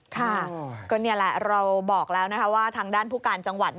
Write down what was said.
ค่ะก็นี่แหละเราบอกแล้วนะคะว่าทางด้านผู้การจังหวัด